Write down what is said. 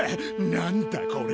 なんだこれ。